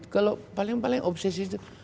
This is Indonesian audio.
kalau paling paling obsesi itu